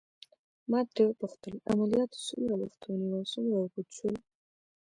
ما ترې وپوښتل: عملياتو څومره وخت ونیو او څومره اوږد شول؟